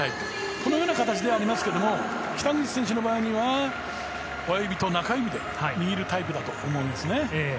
このような形でありますが北口選手は親指と中指で握るタイプだと思います。